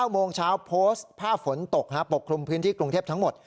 โมงเช้าโพสต์ภาพฝนตกปกคลุมพื้นที่กรุงเทพทั้งหมด